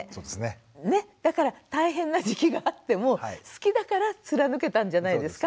だから大変な時期があっても好きだから貫けたんじゃないですか？